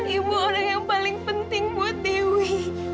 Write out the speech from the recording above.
ibu adalah yang paling penting buat dewi